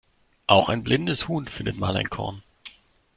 Auch ein blindes Huhn findet mal ein Korn.